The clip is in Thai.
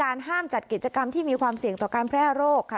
ห้ามจัดกิจกรรมที่มีความเสี่ยงต่อการแพร่โรคค่ะ